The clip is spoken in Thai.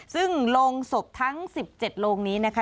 ซึ่งโรงศพทั้ง๑๗โรงนี้นะคะ